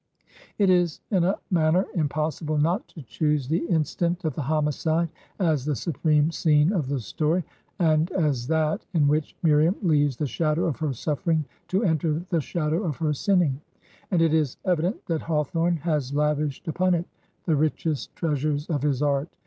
It is in a manner impossible not to choose the in stant of the homicide as the supreme scene of the story, and as that in which Miriam leaves the shadow of her suffering to enter the shadow of her sinning ; and it is evident that Hawthorne has lavished upon it the richest treasures of his art.